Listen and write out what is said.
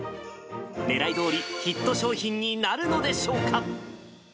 ねらいどおり、ヒット商品になるのでしょうか。